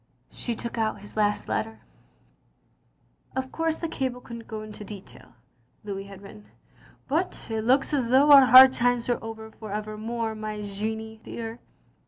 She took out his last letter. "0/ course the cable couldn't go into detail'^ (Louis had written), ''but it looks as though our hard times were over for evermore^ my Jeannie dear.